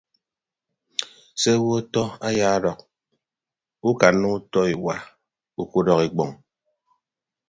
Se owo ọtọ ayaadọk ukanna utọ iwa ukudọk ikpọñ.